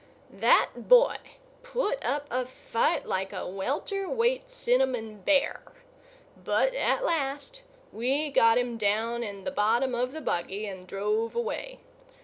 That boy put up a fight like a welter weight cinnamon bear; but, at last, we got him down in the bottom of the buggy and drove away.